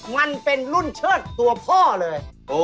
มันเป็นรุ่นเชิดตัวพ่อเลย